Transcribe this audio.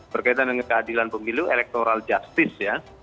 berkaitan dengan keadilan pemilu electoral justice ya